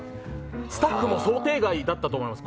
スタッフも想定外だったと思います。